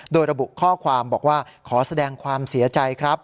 โดยระบุข้อความบอกว่าขอแสดงความเสียใจครับ